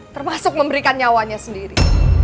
termasuk memberikan nyawanya sendiri